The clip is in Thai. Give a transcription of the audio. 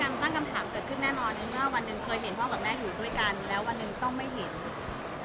เมื่อวันหนึ่งเคยเห็นพ่อกับแม่อยู่ด้วยกันและวันหนึ่งต้องไม่เห็น